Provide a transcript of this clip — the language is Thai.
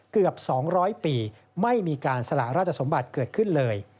เกือบ๒๐๐ปีไม่มีการสละราชสมบัติเกิดขึ้นเลย